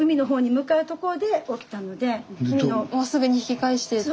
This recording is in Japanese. もうすぐに引き返していって？